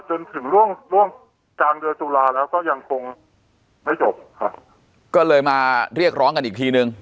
จนถึงช่วงร่วมกลางเดือนตุลาแล้วก็ยังคงไม่จบครับก็เลยมาเรียกร้องกันอีกทีนึง